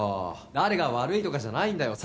誰が悪いとかじゃないんだよ